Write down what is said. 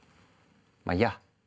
まあいいや。